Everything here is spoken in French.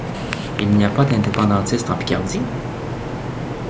Il y a pas d’indépendantistes en Picardie?